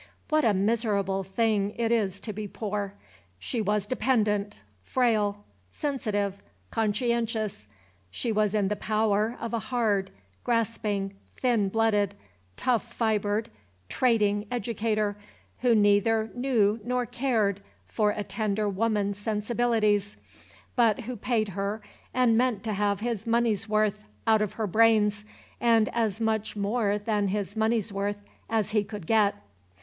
What a miserable thing it is to be poor. She was dependent, frail, sensitive, conscientious. She was in the power of a hard, grasping, thin blooded, tough fibred, trading educator, who neither knew nor cared for a tender woman's sensibilities, but who paid her and meant to have his money's worth out of her brains, and as much more than his money's worth as he could get.